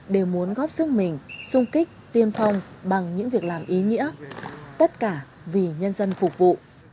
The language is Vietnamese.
đều muốn góp sức mình sung kích tiên phong bằng những việc làm ý nghĩa tất cả vì nhân dân phục vụ